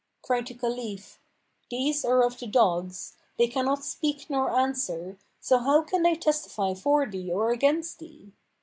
Cried the Caliph, "These are of the dogs; they cannot speak nor answer; so how can they testify for thee or against thee?"